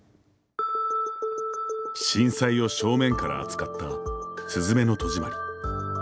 震災を正面から扱った「すずめの戸締まり」。